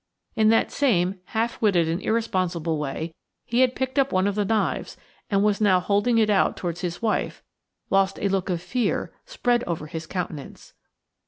In that same half witted and irresponsible way he had picked up one of the knives and now was holding it out towards his wife, whilst a look of fear spread over his countenance.